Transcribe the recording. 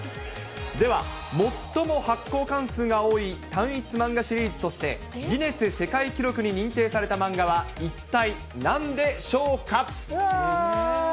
では、もっとも発行巻数が多い単一漫画シリーズとして、ギネス世界記録に認定された漫画は一体なんでしょうか？